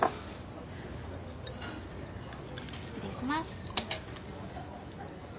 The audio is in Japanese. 失礼します。